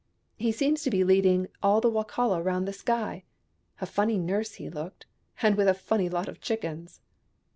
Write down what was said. " He seems to be leading all the Wokala round the sky. A funny nurse he looked, and with a funny lot of chickens